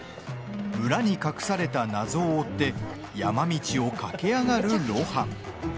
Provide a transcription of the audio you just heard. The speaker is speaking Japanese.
村に隠された謎を追って山道を駆け上がる、露伴。